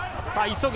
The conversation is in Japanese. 急ぐ。